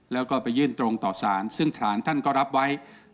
แล้วก็ไปยื่นตรงต่อสารซึ่งศาลท่านก็รับไว้